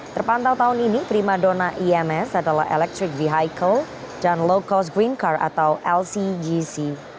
terpantau tahun ini prima dona ims adalah electric vehicle dan low cost green car atau lcgc